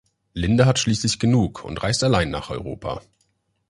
Linda hat schließlich genug und reist allein nach Europa.